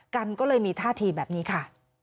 กันก็เลยมีท่าทีแบบนี้ค่ะ